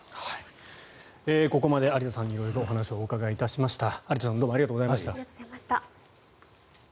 ここまで有田さんに色々お話をお伺いしました。